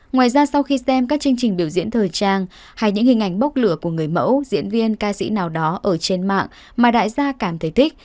ngoài ra sau khi xem các chương trình biểu diễn thời trang hay những hình ảnh bốc lửa của người mẫu diễn viên ca sĩ nào đó ở trên mạng mà đại gia cảm thấy thích